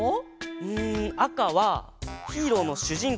うんあかはヒーローのしゅじん